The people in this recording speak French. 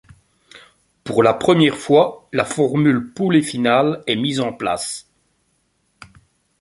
Pour la première fois, la formule poule et finale est mise en place.